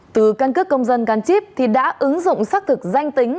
từ căn cước công dân gắn chip thì đã ứng dụng xác thực danh tính